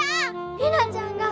ひなちゃん！